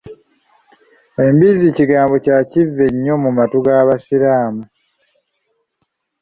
Embizzi kigambo kya kivve nnyo mu matu g’Abasiraamu.